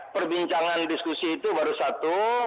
perbincangan diskusi itu baru satu